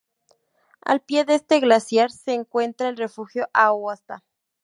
Al pie de este glaciar se encuentra el refugio Aosta.